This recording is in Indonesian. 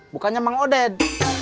bukannya mang oded